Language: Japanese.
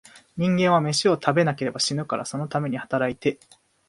人間は、めしを食べなければ死ぬから、そのために働いて、